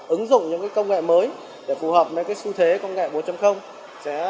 ứng dụng những công nghệ mới để phù hợp với xu thế công nghệ bốn sẽ